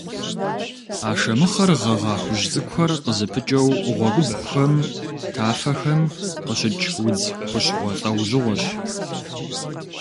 Ашэмыхъэр гъэгъа хужь цӏыкӏухэр къызыпыкӏэу гъуэгубгъухэм, тафэхэм къыщыкӏ удз хущхъуэ лӏэужьыгъуэщ.